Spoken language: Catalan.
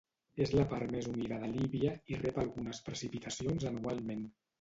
És la part més humida de Líbia i rep algunes precipitacions anualment.